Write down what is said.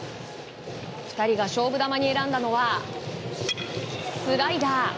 ２人が勝負球に選んだのはスライダー。